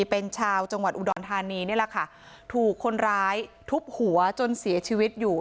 เป็นชาวจังหวัดอุดรธานีนี่แหละค่ะถูกคนร้ายทุบหัวจนเสียชีวิตอยู่